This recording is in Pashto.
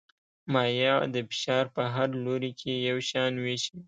مایع د فشار په هر لوري کې یو شان وېشي.